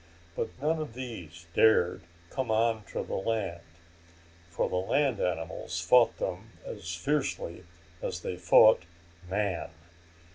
But none of these dared come onto the land, for the land animals fought them as fiercely as they fought man.